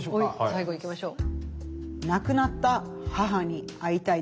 最後いきましょう。